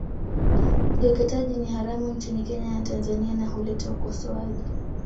Ukeketaji ni haramu nchini Kenya na Tanzania na huleta ukosoaji